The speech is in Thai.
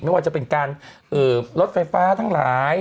ไม่ว่าจะเป็นการลดไฟฟ้าทั้งหลาย